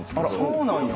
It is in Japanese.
そうなんや。